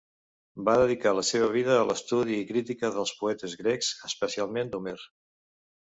Va dedicar la seva vida a l'estudi i crítica dels poetes grecs, especialment d'Homer.